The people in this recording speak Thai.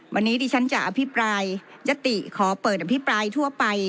วันนี้ดิฉันจะอภิปรายยติขอเปิดอภิปรายทั่วไป